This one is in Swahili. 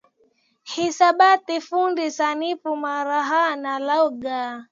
Hisabati fundi sanifu maabara na lugha